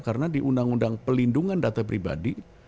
karena di undang undang pelindungan data pribadi